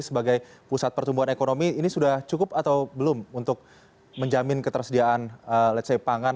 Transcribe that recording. sebagai pusat pertumbuhan ekonomi ini sudah cukup atau belum untuk menjamin ketersediaan ⁇ lets ⁇ say pangan